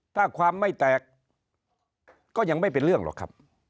ถ้าความไม่แตกก็ยังไม่เป็นเรื่องหรอกครับ